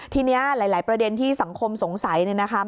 ทีนี้หลายประเด็นที่สังคมสงสัยเนี่ยนะคะ